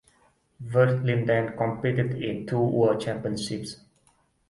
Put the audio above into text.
Verlinden competed in two world championships.